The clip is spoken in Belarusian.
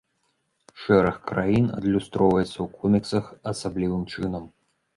Шэраг краін адлюстроўваецца ў коміксах асаблівым чынам.